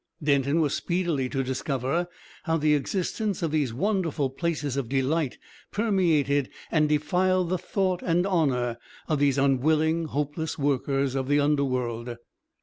Denton was speedily to discover how the existence of these wonderful places of delight permeated and defiled the thought and honour of these unwilling, hopeless workers of the underworld.